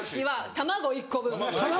卵１個分。